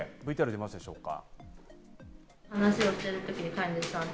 ＶＴＲ出ますでしょうか。